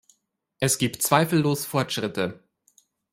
Es gibt zweifellos Fortschritte.